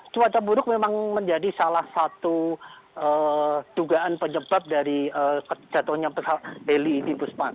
cuaca buruk memang menjadi salah satu dugaan penyebab dari jatuhnya pesawat delhi di buspang